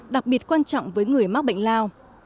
đặc biệt quan trọng với người mắc bệnh lao